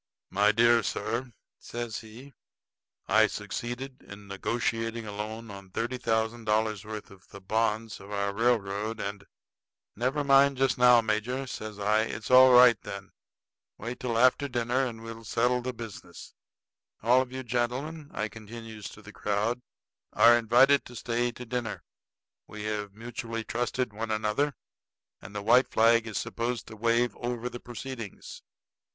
"My dear sir," says he, "I succeeded in negotiating a loan on thirty thousand dollars' worth of the bonds of our railroad, and " "Never mind just now, major," says I. "It's all right, then. Wait till after dinner, and we'll settle the business. All of you gentlemen," I continues to the crowd, "are invited to stay to dinner. We have mutually trusted one another, and the white flag is supposed to wave over the proceedings."